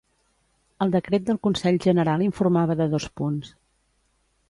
El decret del Consell General informava de dos punts.